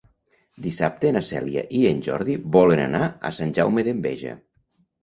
Dissabte na Cèlia i en Jordi volen anar a Sant Jaume d'Enveja.